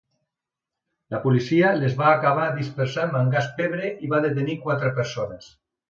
La policia les va acabar dispersant amb gas pebre i va detenir quatre persones.